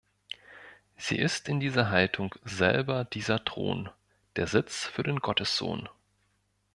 Sie ist in dieser Haltung selber dieser Thron, der Sitz für den Gottessohn.